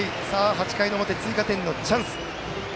８回の表、追加点のチャンス。